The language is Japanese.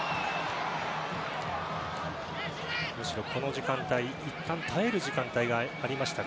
むしろこの時間帯いったん耐える時間帯があった